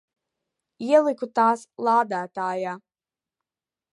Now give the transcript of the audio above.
Ieliku tās lādētājā.